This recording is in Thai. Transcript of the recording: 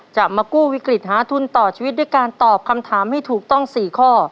จะมากู้วิกฤตหาทุนต่อชีวิตด้วยการตอบคำถามให้ถูกต้อง๔ข้อ